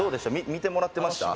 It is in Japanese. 見てもらってました？